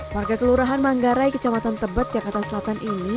warga kelurahan manggarai kecamatan tebet jakarta selatan ini